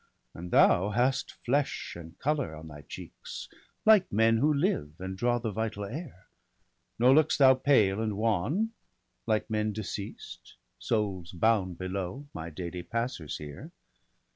And thou hast flesh and colour on thy cheeks, Like men who live, and draw the vital air; Nor look'st thou pale and wan, like men deceased. Souls bound below, my daily passers here.'